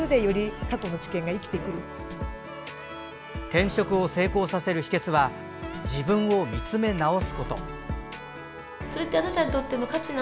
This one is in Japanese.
転職を成功させる秘けつは自分を見つめ直すこと。